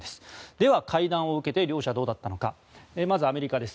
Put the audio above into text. では、会談を受けて両者どうだったのかまずアメリカです。